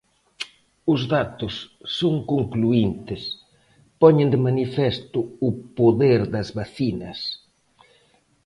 Os datos son concluíntes, poñen de manifesto o poder das vacinas.